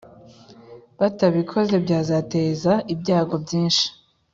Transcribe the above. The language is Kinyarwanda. batabikoze byazateza ibyago by’isuri